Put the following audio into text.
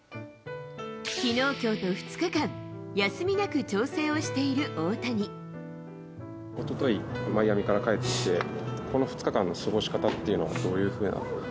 きのう、きょうと２日間、おととい、マイアミから帰ってきて、この２日間の過ごし方っていうのは、どういうふうな。